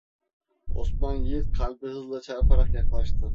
Osman Yiğit kalbi hızla çarparak yaklaştı.